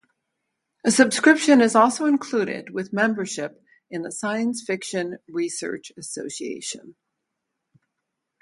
A subscription is also included with membership in the Science Fiction Research Association.